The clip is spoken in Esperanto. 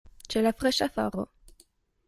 Ĉe la freŝa faro.